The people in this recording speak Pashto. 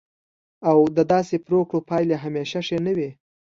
او د داسې پریکړو پایلې همیشه ښې نه وي.